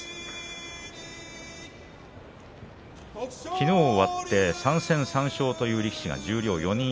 きのう終わって３戦３勝という力士は十両４人。